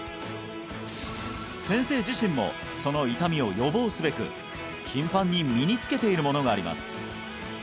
先生自身もその痛みを予防すべく頻繁に身につけているものがあります